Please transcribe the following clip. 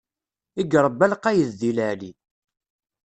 I iṛebba lqayed di leɛli.